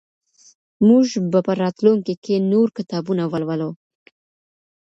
موږ به په راتلونکي کي نور کتابونه ولولو.